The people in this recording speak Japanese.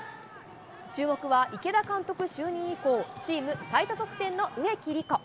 注目は池田監督就任以降、チーム最多得点の植木理子。